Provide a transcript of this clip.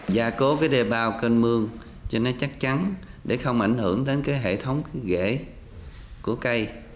gia cố đê bao cơn mương cho nó chắc chắn để không ảnh hưởng đến hệ thống ghế của cây